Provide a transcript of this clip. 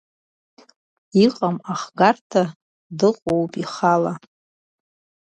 Иҟам ахгарҭа, дыҟоуп ихала.